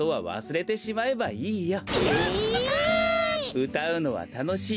うたうのはたのしい。